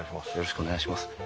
よろしくお願いします。